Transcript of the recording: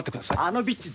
あのビッチ